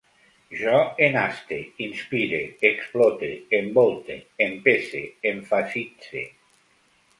Jo enaste, inspire, explote, envolte, empese, emfasitze